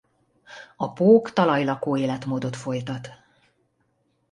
A pók talajlakó életmódot folytat.